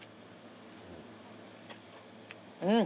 うん。